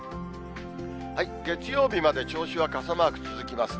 月曜日まで銚子は傘マーク続きますね。